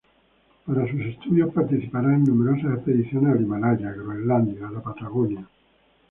Para sus estudios, participará de numerosas expediciones al Himalaya, a Groenlandia, a la Patagonia.